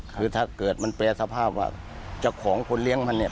คือถ้าเกิดมันแปรสภาพว่าเจ้าของคนเลี้ยงมันเนี่ย